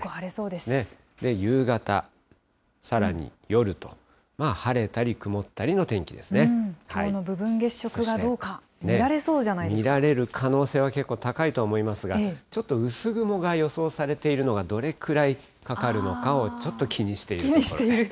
夕方、さらに夜と、まあ晴れきょうの部分月食がどうか、見られる可能性は結構高いとは思いますが、ちょっと薄雲が予想されているのがどれくらいかかるのかを、ちょっと気にしているところです。